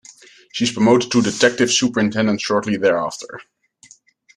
She is promoted to Detective Superintendent shortly thereafter.